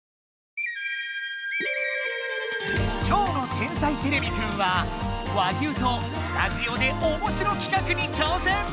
今日の「天才てれびくん」は和牛とスタジオでおもしろ企画に挑戦！